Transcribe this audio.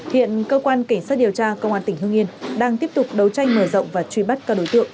hiện cơ quan cảnh sát điều tra công an tỉnh hương yên đang tiếp tục đấu tranh mở rộng và truy bắt các đối tượng trong đường dây